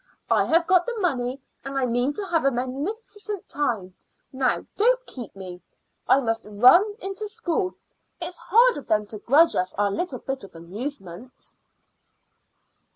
I have got the money, and I mean to have a magnificent time. Now don't keep me; I must run into school. It is horrid of them to grudge us our little bit of amusement."